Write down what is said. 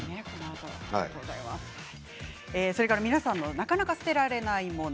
皆さんのなかなか捨てられないもの